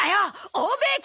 欧米か！